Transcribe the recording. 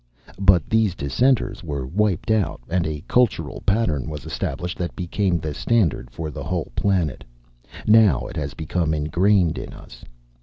"But these dissenters were wiped out, and a cultural pattern was established that became the standard for the whole planet. Now it has become ingrained in us.